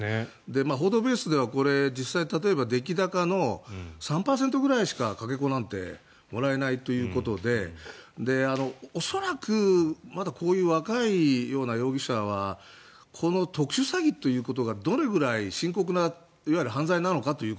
報道ベースでは実際、例えば出来高の３％くらいしか、かけ子なんてもらえないということで恐らく、まだこういう若い容疑者はこの特殊詐欺ということがどれぐらい深刻ないわゆる犯罪なのかという